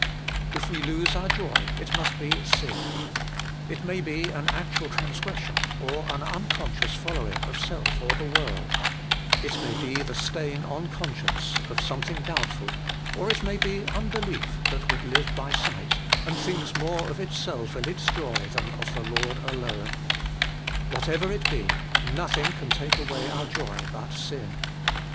If we lose our joy, it must be sin. It may be an actual transgression, or an unconscious following of self or the world ; it may be the stain on conscience of something doubt ful, or it may be unbelief that would live by sight, and thinks more of itself and its joy than of the Lord alone : whatever it be, nothing can take away our joy but sin.